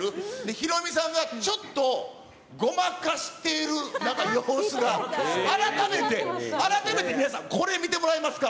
ヒロミさんがちょっとごまかしてるなんか様子が、改めて、改めて皆さん、これ見てもらえますか。